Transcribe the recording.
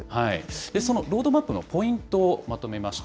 そのロードマップのポイントをまとめました。